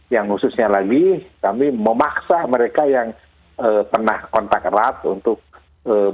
yang khususnya lagi kami memaksa mereka yang pernah kontak erat untuk melakukan